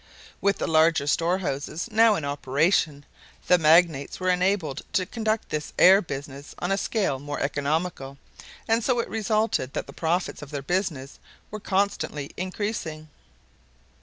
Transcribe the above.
With the larger storehouses now in operation the magnates were enabled to conduct this air business on a scale more economical, and so it resulted that the profits of their business were constantly increasing.